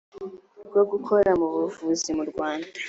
rwo gukora mu buvuzi mu rwanda